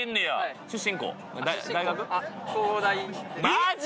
マジ！？